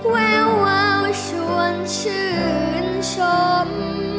แวววาวชวนชื่นชม